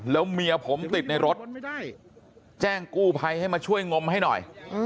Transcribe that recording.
แล้วเมียผมติดในรถแจ้งกู้ภัยให้มาช่วยงมให้หน่อย